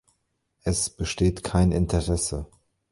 Es besteht kein Interesse.